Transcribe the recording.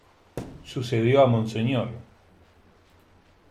Sucedió a Mons.